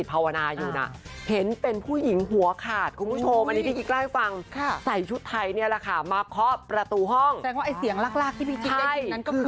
ซึ่งอย่างที่บอกไป